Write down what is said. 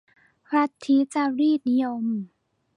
ลัทธิจารีตนิยม